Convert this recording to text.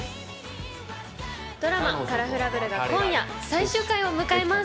ドラマ『カラフラブル』が今夜、最終回を迎えます。